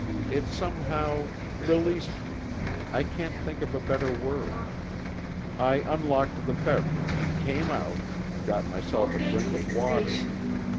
It somehow released me I can't think of a better word. I unlocked the bedroom, came out, got myself a drink of water.